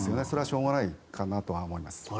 それはしょうがないかなとは思います。